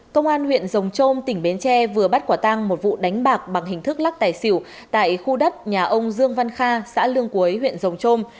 công an huyện rồng trôm tỉnh bến tre vừa bắt quả tang một vụ đánh bạc bằng hình thức lắc tài xỉu tại khu đất nhà ông dương văn kha xã lương quế huyện rồng trôm